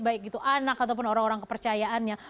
baik itu anak ataupun orang orang kepercayaannya